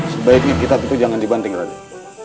sebaiknya kitab itu jangan dibanting lagi